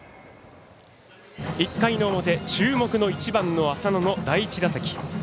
１回の表、注目の１番、浅野の第１打席。